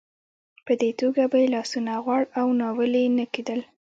په دې توګه به یې لاسونه غوړ او ناولې نه کېدل.